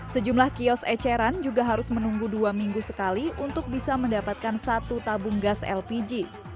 sejumlah kios eceran juga harus menunggu dua minggu sekali untuk bisa mendapatkan satu tabung gas lpg